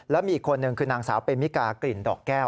แล้วมีอีกคนนึงคือนางสาวเมมิกากลิ่นดอกแก้ว